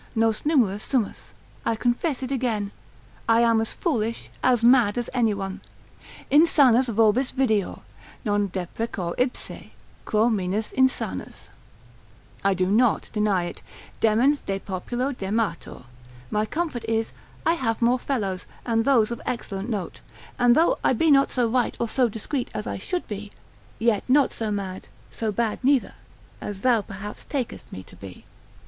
Nos numerus sumus, I confess it again, I am as foolish, as mad as any one. Insanus vobis videor, non deprecor ipse, Quo minus insanus,——— I do not deny it, demens de populo dematur. My comfort is, I have more fellows, and those of excellent note. And though I be not so right or so discreet as I should be, yet not so mad, so bad neither, as thou perhaps takest me to be.